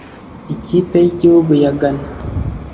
ikipe y’igihugu ya Ghana